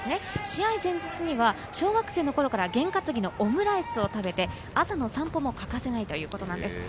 試合前日には小学生の頃からげんかつぎのオムライスを食べて、朝の散歩も欠かさないということです。